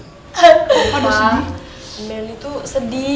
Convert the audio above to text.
mama meli tuh sedih